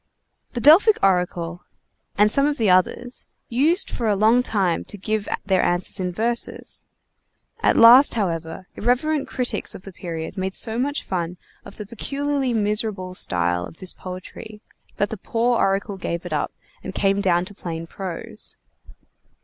The Delphic oracle, and some of the others, used for a long time to give their answers in verses. At last, however, irreverent critics of the period made so much fun of the peculiarly miserable style of this poetry, that the poor oracle gave it up and came down to plain prose.